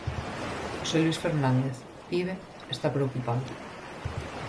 José Luís Fernández, Pibe, está preocupado.